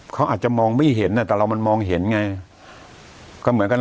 เขาอาจจะมองไม่เห็นแต่เรามันมองเห็นไงก็เหมือนกัน